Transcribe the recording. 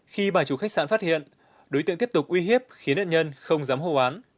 khi bà chủ khách sạn phát hiện đối tượng tiếp tục uy hiếp khiến nhân nhân không dám hô án